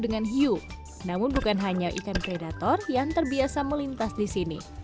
dengan hiu namun bukan hanya ikan predator yang terbiasa melintas di sini